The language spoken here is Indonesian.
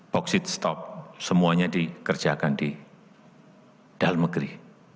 bauxite stop semuanya dikerjakan di dalmegri